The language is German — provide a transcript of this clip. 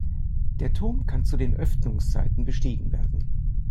Der Turm kann zu den Öffnungszeiten bestiegen werden.